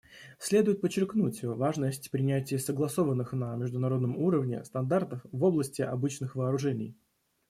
Следует подчеркнуть важность принятия согласованных на международном уровне стандартов в области обычных вооружений.